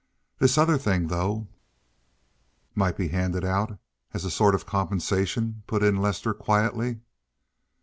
This other thing though—" "Might be handed out as a sort of compensation," put in Lester quietly.